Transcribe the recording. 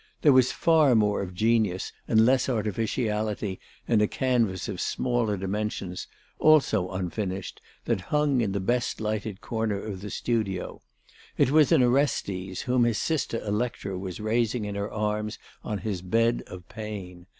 There was far more of genius and less of artificiality in a canvas of smaller dimensions, also unfinished, that hung in the best lighted corner of the studio. It was an Orestes whom his sister Electra was raising in her arms on his bed of pain.